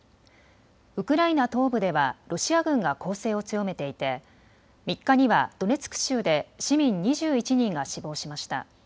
ウクライナ東部ではロシア軍が攻勢を強めていて３日にはドネツク州で市民２１人が死亡しました。